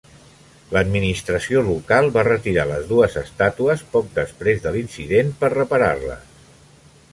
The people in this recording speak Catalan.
L'administració local va retirar les dues estàtues poc després de l'incident per reparar-les.